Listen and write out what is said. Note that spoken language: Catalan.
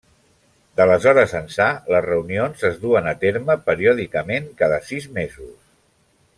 D'aleshores ençà, les reunions es duen a terme periòdicament cada sis mesos.